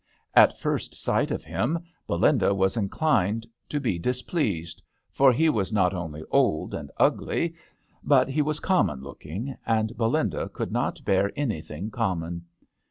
At first sight of him Belinda was inclined to be displeased, for he was not only old and ugly, but he was com mon looking, and Belinda could not bear anything common.